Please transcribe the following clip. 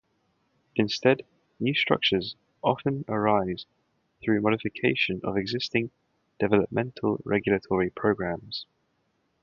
Instead, new structures often arise through modification of existing developmental regulatory programs.